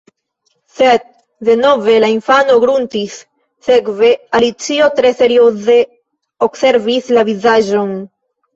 Sed denove la infano gruntis. Sekve Alicio tre serioze observis la vizaĝon.